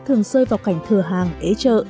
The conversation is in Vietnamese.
thường rơi vào cảnh thừa hàng ế trợ